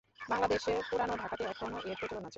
বাংলাদেশে পুরানো ঢাকাতে এখনো এর প্রচলন আছে।